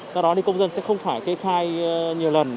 do đó công dân sẽ không phải kê khai nhiều lần